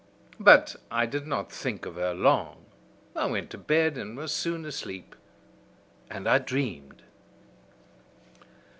But I did not think of her long. I went to bed and was soon asleep. And I dreamed.